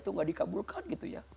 tidak dikabulkan gitu ya